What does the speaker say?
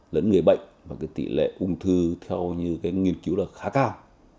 lẫn người bệnh và cái tỷ lệ ung thư theo như cái nghiên cứu là khá cao